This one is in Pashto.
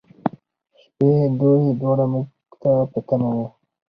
شپې، دوی دواړه موږ ته په تمه و.